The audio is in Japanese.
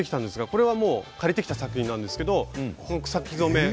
これは借りてきた作品なんですけど草木染めです。